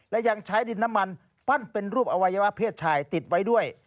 และยังใช้ดินน้ำมันปั้นเป็นรูปอวัยวะเพศชายติดไว้ด้วย